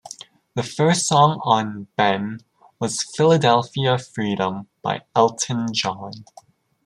The first song on "Ben" was "Philadelphia Freedom" by Elton John.